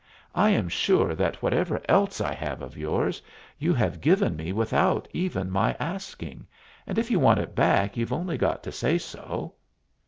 "I am sure that whatever else I have of yours you have given me without even my asking, and if you want it back you've only got to say so."